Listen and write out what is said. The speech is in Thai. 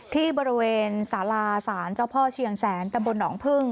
ที่บริเวณสาราสารเจ้าพ่อเชียงแสนตำบลหนองพึ่ง